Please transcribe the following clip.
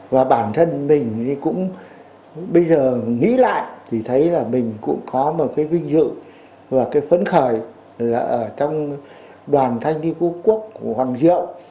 và bản thân mình cũng bây giờ nghĩ lại thì thấy là mình cũng có một cái vinh dự và cái phấn khởi là ở trong đoàn thanh niên quốc hoàng diệu